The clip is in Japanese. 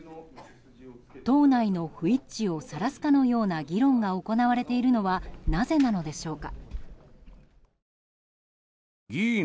党内の不一致をさらすかのような議論が行われているのはなぜなのでしょうか。